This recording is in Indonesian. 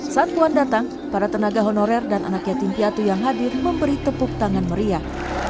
saat puan datang para tenaga honorer dan anak yatim piatu yang hadir memberi tepuk tangan meriah